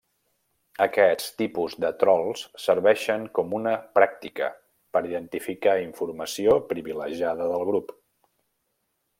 Aquests tipus de trols serveixen com una pràctica per identificar informació privilegiada del grup.